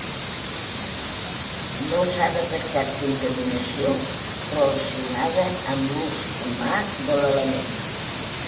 No s'ha detectat contaminació relacionada amb l'ús humà de l'element.